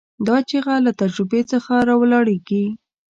دا چیغه له تجربې څخه راولاړېږي.